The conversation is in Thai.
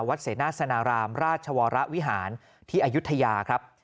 เสนาสนารามราชวรวิหารที่อายุทยาครับ